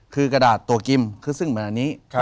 คือกระดาษตัวกิมซึ่งเหมือนอันนี้